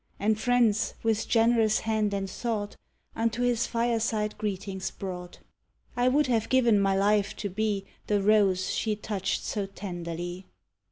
And friends with generous hand and thought Unto his fireside greetings brought. "I would have given my life to be The rose she touched so tenderly."